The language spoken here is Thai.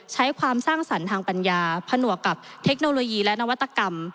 ใช้ความสร้างสรรค์ทางปัญญาผนวกกับเทคโนโลยีและนวัตกรรม